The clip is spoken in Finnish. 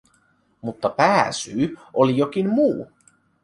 Mutta pääsyy oli jokin muu.